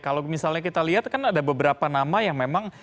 kalau misalnya kita lihat kan ada beberapa nama yang memang